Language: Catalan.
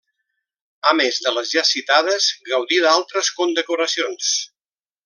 A més de les ja citades, gaudí d'altres condecoracions.